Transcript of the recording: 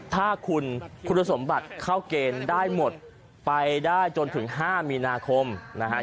ถ้าคุณคุณสมบัติเข้าเกณฑ์ได้หมดไปได้จนถึง๕มีนาคมนะฮะ